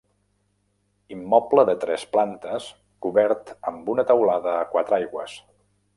Immoble de tres plantes cobert amb una teulada a quatre aigües.